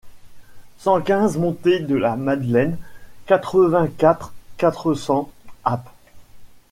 cent quinze montée de la Madeleine, quatre-vingt-quatre, quatre cents, Apt